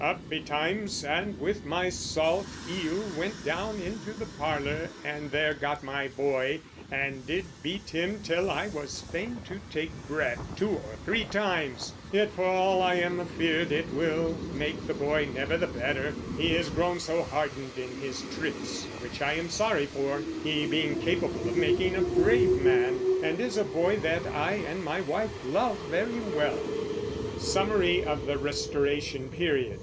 Up betimes, and with my salt eele went down into the parler and there got my boy and did beat him till I was fain to take breath two or three times, yet for all I am afeard it will make the boy never the better, he is grown so hardened in his tricks, which I am sorry for, he being capable of making a brave man, and is a boy that I and my wife love very well. SUMMARY OF THE RESTORATION PERIOD.